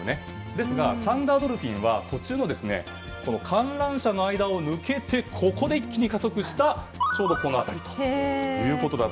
ですが、サンダードルフィンは途中の観覧車の間を抜けてここで一気に加速したちょうどこの辺りと。